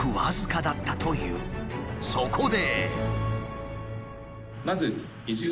そこで。